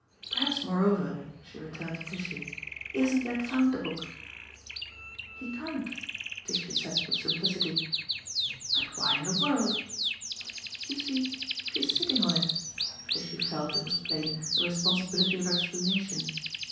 Perhaps moreover" she returned to Tishy "he hasn't yet found the book." "He can't," Tishy said with simplicity. "But why in the world ?" "You see she's sitting on it" Tishy felt, it was plain, the responsibility of explanation.